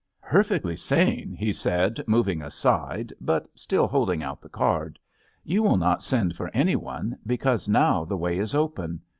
"Perfectly sane," he said, moving aside, but still holding out the card. "You will not send for anyone, because now the way is open.